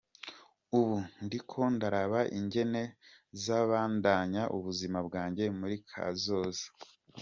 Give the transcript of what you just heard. Ubu ndiko ndaraba ingene nzobandanya ubuzima bwanje muri kazoza.